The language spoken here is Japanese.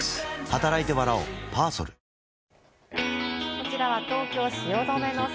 こちらは東京・汐留の空。